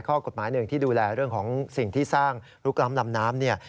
ข้อกฎหมายหนึ่งที่ดูแลเรื่องของสิ่งที่สร้างลุกล้ำลำน้ำเนี่ย